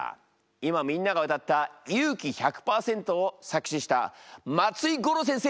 今みんなが歌った「勇気１００％」を作詞した松井五郎先生